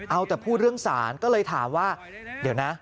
เอาแต่พูดเรื่องศาลก็เลยถามว่าเดี๋ยวนะ